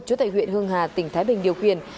chủ tại huyện hương hà tỉnh thái bình điều khiển